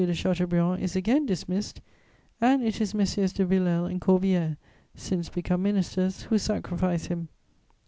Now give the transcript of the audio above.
de Chateaubriand is again dismissed, and it is Messieurs de Villèle and Corbière, since become ministers, who sacrifice him.